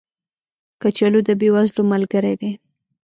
کچالو د بې وزلو ملګری دی